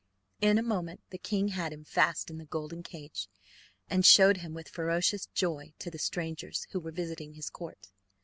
In a moment the king had him fast in the golden cage, and showed him, with ferocious joy, to the strangers who were visiting his court.